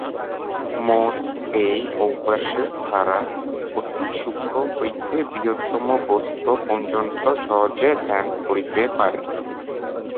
মন এই অভ্যাসের দ্বারা অতি সূক্ষ্ম হইতে বৃহত্তম বস্তু পর্যন্ত সহজে ধ্যান করিতে পারে।